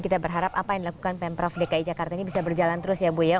kita berharap apa yang dilakukan pemprov dki jakarta ini bisa berjalan terus ya bu ya